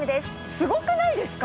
すごくないですか？